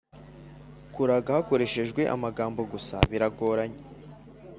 kuraga hakoreshejwe amagambo gusa biragoranye,